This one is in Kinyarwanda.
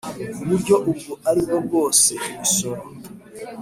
Ku buryo ubwo ari bwo bwose imisoro